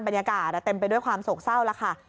บรรยากาศเต็มไปด้วยความโศกเศร้าแล้วค่ะ